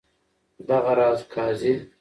دغه راز قاضي.